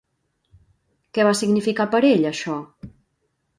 Què va significar per ell això?